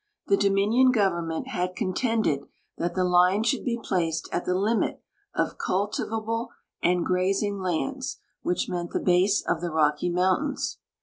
The Dominion government had contended that the line ! hould be placed at the limit of cultivable and grazing lands, Avhich meant the base of the Rocky mountains.